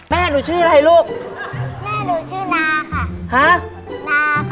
แม่หนูชื่ออะไรลูกแม่หนูชื่อนาค่ะฮะนาค่ะ